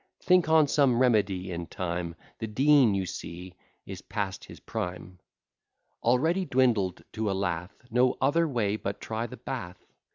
Think on some remedy in time, The Dean you see, is past his prime, Already dwindled to a lath: No other way but try the Bath.